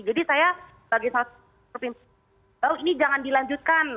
jadi saya sebagai salah satu pimpinan oh ini jangan dilanjutkan